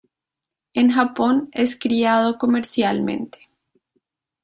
En Japón es criado comercialmente.